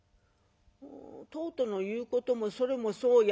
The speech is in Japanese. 「とうとの言うこともそれもそうやな。